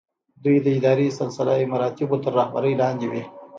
دوی د اداري سلسله مراتبو تر رهبرۍ لاندې وي.